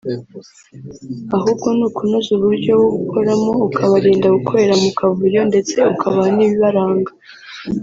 ahubwo ni ukunoza uburyo wo gukoramo ukabarinda gukorera mu kavuyo ndetse ukabaha n’ibibaranga